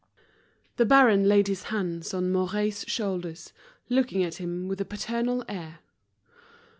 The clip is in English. The baron laid his hands on Mouret's shoulders, looking at him with a paternal air.